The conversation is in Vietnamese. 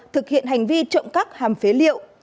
thực hiện hành vi trộm cắp hàm phế liệu